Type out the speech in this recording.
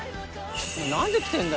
「何で来てんだよ？」